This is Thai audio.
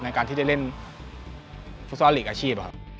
ในการที่ได้เล่นฟุตซอลลีกอาชีพ